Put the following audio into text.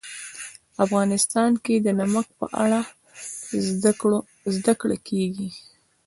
افغانستان کې د نمک په اړه زده کړه کېږي.